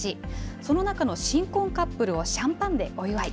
その中の新婚カップルをシャンパンでお祝い。